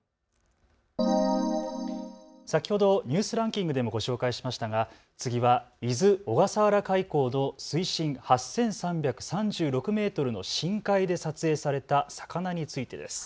先ほどニュースランキングでもご紹介しましたが、次は伊豆・小笠原海溝の水深８３３６メートルの深海で撮影された魚についてです。